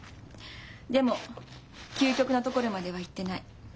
でも究極のところまではいってない。